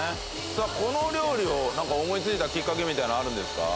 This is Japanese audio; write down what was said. さあこの料理をなんか思いついたきっかけみたいなのはあるんですか？